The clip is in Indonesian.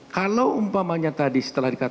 kalau umpamanya tadi setelah dikatakan